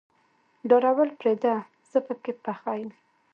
ډارول پرېده زه پکې پخه يم.